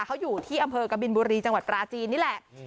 เขาอยู่ที่อำเภอกบินบุรีจังหวัดปราจีนนี่แหละ